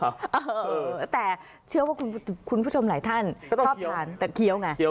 เออแต่เชื่อว่าคุณผู้ชมหลายท่านชอบทานแต่เคี้ยวไง